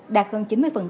đạt hơn chín mươi